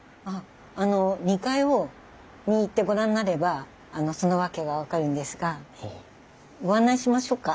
あの２階に行ってご覧になればその訳が分かるんですがご案内しましょうか？